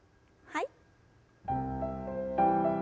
はい。